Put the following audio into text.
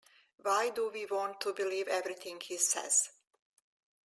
Why do we want to believe everything he says?